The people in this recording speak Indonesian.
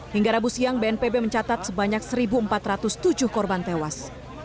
hingga rabu siang bnpb mencatat sebanyak satu empat ratus tujuh korban tewas